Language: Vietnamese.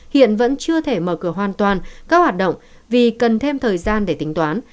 hiện vẫn chưa thể mở cửa hoàn toàn các hoạt động vì cần thêm thời gian để tính toán